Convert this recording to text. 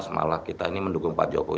malah kita ini mendukung pak jokowi